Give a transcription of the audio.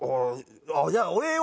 じゃあ俺よ